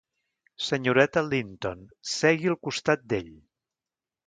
Senyoreta Linton, segui al costat d'ell.